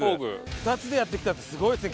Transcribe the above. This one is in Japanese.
２つでやってきたってすごいですね